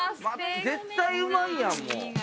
絶対うまいやんもう！